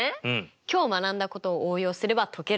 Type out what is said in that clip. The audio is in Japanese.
今日学んだことを応用すれば解けるはずですよ。